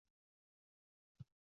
Aqlli ovoz bering